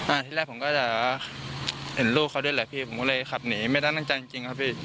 ที่แรกผมก็จะเห็นลูกเขาด้วยแหละพี่ผมก็เลยขับหนีไม่ได้ตั้งใจจริงจริงครับพี่